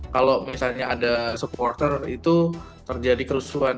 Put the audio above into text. kalau misalnya ada supporter itu terjadi kerusuhan